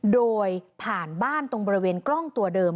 โดยผ่านบ้านตรงบริเวณกล้องตัวเดิม